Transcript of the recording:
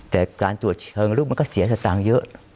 แต่การตรวจเชิงลุกมันก็เสียสตางค์เยอะ